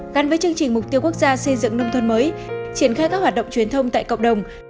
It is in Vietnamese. gắn với chương trình mục tiêu quốc gia xây dựng nông thôn mới triển khai các hoạt động truyền thông tại cộng đồng